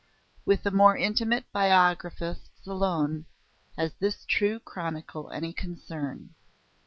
With the more intimate biographists alone has this true chronicle any concern.